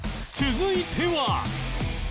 続いては